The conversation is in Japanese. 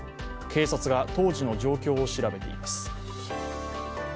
警察が当時の状況を調べています。